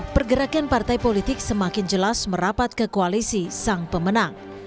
pergerakan partai politik semakin jelas merapat ke koalisi sang pemenang